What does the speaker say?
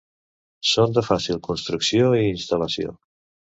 Són de fàcil construcció i instal·lació.